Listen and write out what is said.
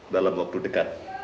dalam waktu dekat